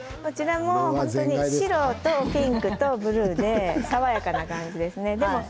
白とピンクとブルーで爽やかな感じですね。